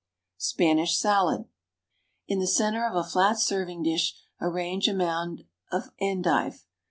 =Spanish Salad.= In the centre of a flat serving dish arrange a mound of endive.